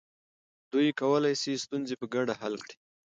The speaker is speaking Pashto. دوی کولی سي ستونزې په ګډه حل کړي.